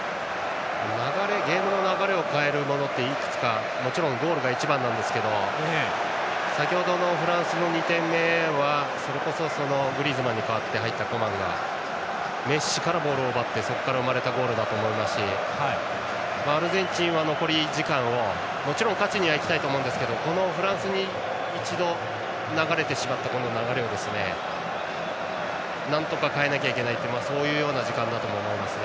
ゲームの流れを変えるものっていくつかあってもちろんゴールが一番ですけど先程のフランスの２点目はそれこそグリーズマンに代わって入ったコマンがメッシからボールを奪ってそこから生まれたゴールだと思いますしアルゼンチンは残り時間をもちろん勝ちには行きたいと思いますがフランスに一度、流れてしまった流れをなんとか変えなきゃいけないという時間だと思いますね。